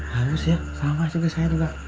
haus ya sama seperti saya juga